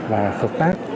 và hợp tác